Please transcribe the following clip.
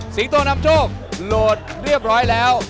สิงโตนำโชคโหลดเรียบร้อยแล้ว